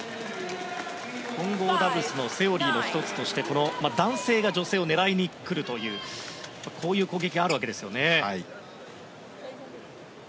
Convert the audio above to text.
混合ダブルスのセオリーの１つとして男性が女性を狙いに来るというこういう攻撃があるわけですよね。